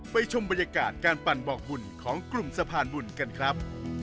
ชมบรรยากาศการปั่นบอกบุญของกลุ่มสะพานบุญกันครับ